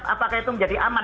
apakah itu menjadi aman